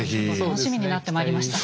楽しみになってまいりました。